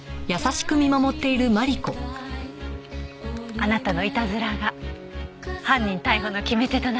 あなたのイタズラが犯人逮捕の決め手となった。